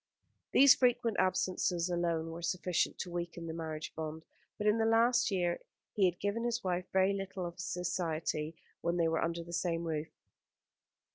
These frequent absences alone were sufficient to weaken the marriage bond; but in the last year he had given his wife very little of his society when they were under the same roof.